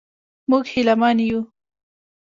موږ هیله من یو.